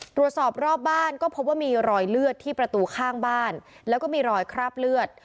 ตรวจสอบรอบบ้านก็พบว่ามีรอยเลือดที่ประตูข้างบ้านแล้วก็มีรอยคราบเลือด